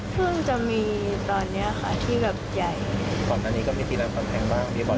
เพิ่งจะมีตอนเนี้ยค่ะที่แบบใหญ่ฝั่งนั้นนี้ก็มีทีละฝั่งแพงบ้างที่บ่อยไหม